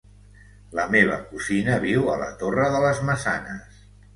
La meva cosina viu a la Torre de les Maçanes.